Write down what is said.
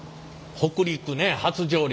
北陸ね初上陸。